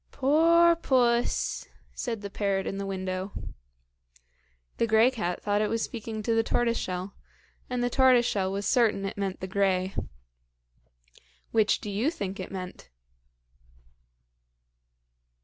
"Poor puss!" said the parrot in the window. The grey cat thought it was speaking to the tortoiseshell, and the tortoiseshell was certain it meant the grey. Which do you think it meant?